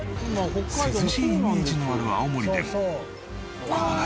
涼しいイメージのある青森でもこの夏